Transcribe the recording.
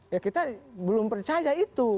ya kita belum percaya itu